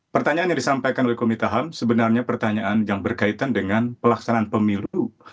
pertanyaan yang disampaikan oleh komite ham sebenarnya pertanyaan yang berkaitan dengan pelaksanaan pemilu